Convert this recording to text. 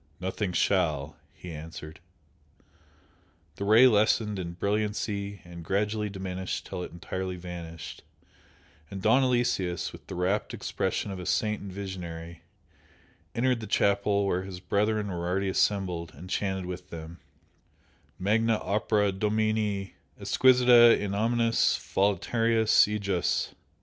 "Nothing shall!" he answered. The Ray lessened in brilliancy and gradually diminished till it entirely vanished, and Don Aloysius, with the rapt expression of a saint and visionary, entered the chapel where his brethren were already assembled, and chanted with them "Magna opera Domini; exquisita in omnes voluntates ejus!"